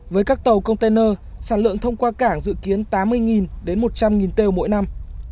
với các tàu container sản lượng thông qua cảng dự kiến tám mươi đến một trăm linh têu mỗi năm